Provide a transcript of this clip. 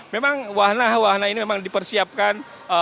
memang wahana wahana ini memang dipersiapkan